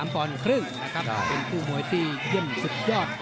๑๑๓๕เป็นผู้มวยที่เยี่ยมสุดยอด